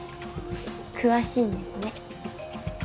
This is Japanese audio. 詳しいんですね。